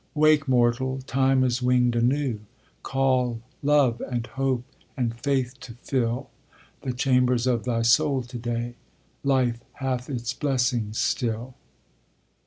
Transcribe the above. Wake, mortal! Time is winged anew! Call Love and Hope and Faith to fill The chambers of thy soul to day; Life hath its blessings still!